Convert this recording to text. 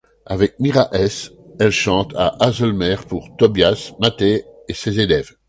Avec Myra Hess, elle chante à Haslemere pour Tobias Matthay et ses élèves.